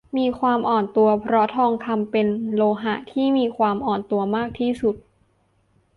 มีความอ่อนตัว เพราะทองคำเป็นโลหะที่มีความอ่อนตัวมากที่สุด